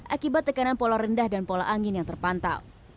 akibat tekanan pola rendah dan pola angin yang terpantau